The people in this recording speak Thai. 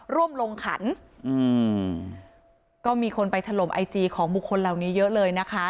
ร่วมลงขันอืมก็มีคนไปถล่มไอจีของบุคคลเหล่านี้เยอะเลยนะคะ